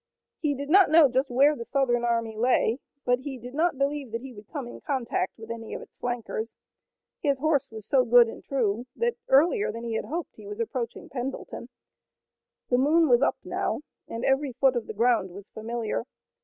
He did not know just where the Southern army lay, but he did not believe that he would come in contact with any of its flankers. His horse was so good and true, that earlier than he had hoped, he was approaching Pendleton. The moon was up now, and every foot of the ground was familiar.